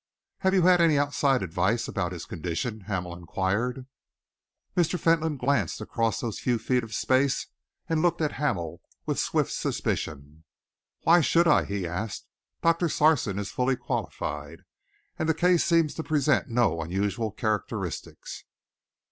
"Have you had any outside advice about his condition?" Hamel inquired. Mr. Fentolin glanced across those few feet of space and looked at Hamel with swift suspicion. "Why should I?" he asked. "Doctor Sarson is fully qualified, and the case seems to present no unusual characteristics."